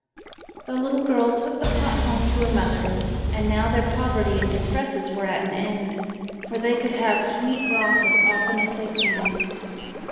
The little girl took the pot home to her mother, and now their poverty and distresses were at an end, for they could have sweet broth as often as they pleased.